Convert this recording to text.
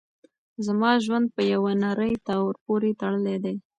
زما ژوند په یوه نري تار پورې تړلی دی.